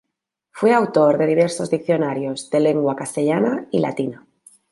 Fue autor de diversos diccionarios de lengua castellana y latina.